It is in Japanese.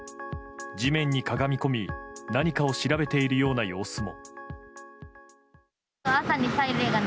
地面にかがみ込み何かを調べているような様子も。